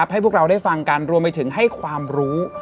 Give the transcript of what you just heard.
ให้พวกเราได้ฟังกันรวมไปถึงให้ความรู้